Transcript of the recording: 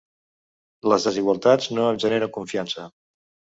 Les desigualtats no em generen confiança.